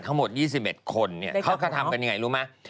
ทั้งหมด๒๑คนเขากระทำกันยังไงรู้ไหม